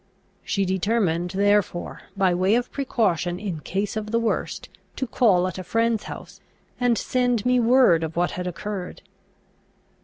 She determined therefore, by way of precaution in case of the worst, to call at a friend's house, and send me word of what had occurred.